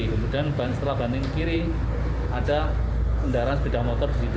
kemudian setelah banting kiri ada kendaraan sepeda motor di situ